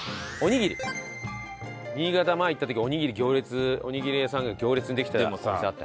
新潟前行った時おにぎり行列おにぎり屋さんが行列できてたお店があった。